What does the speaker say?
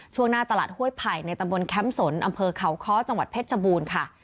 ช่วงหน้าตลาดห้วยไผ่ในตำบลแคมป์สนอำเภอเขาค้อจังหวัดเพชรชบูรณ์ค่ะ